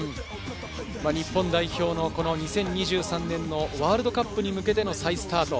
日本代表の２０２３年のワールドカップに向けての再スタート。